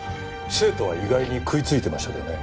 生徒は意外に食いついてましたけどね。